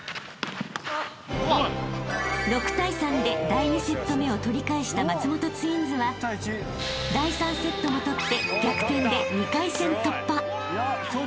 ［第２セット目を取り返した松本ツインズは第３セットも取って逆転で２回戦突破］